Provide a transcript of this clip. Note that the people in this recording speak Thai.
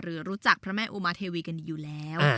รู้จักพระแม่อุมาเทวีกันอยู่แล้ว